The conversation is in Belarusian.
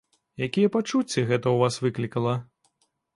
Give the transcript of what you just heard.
Якія пачуцці гэта ў вас выклікала?